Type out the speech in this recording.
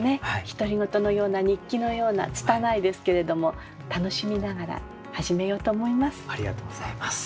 独り言のような日記のような拙いですけれども楽しみながら始めようと思います。